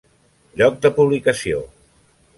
Lloc de publicació: